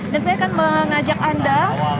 dan saya akan mengajak anda